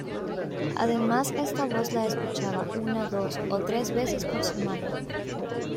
Además esta voz la escuchaba unas dos o tres veces por semana.